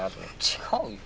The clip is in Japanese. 違うよ。